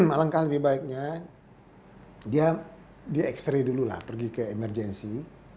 alangkah lebih baiknya dia x ray dulu lah pergi ke emergensi